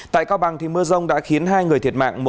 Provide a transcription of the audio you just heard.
tại cao bằng mưa rông đã khiến hai người thiệt mạng